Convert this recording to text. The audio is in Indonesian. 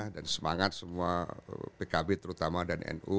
dan semangat semua pkb terutama dan nu